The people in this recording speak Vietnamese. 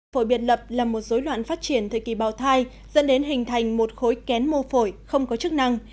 phổi biệt lập là một dối loạn phát triển thời kỳ bào thai dẫn đến hình thành một khối kén mô phổi không có chức năng